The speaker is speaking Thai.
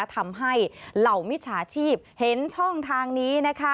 ทำให้เหล่ามิจฉาชีพเห็นช่องทางนี้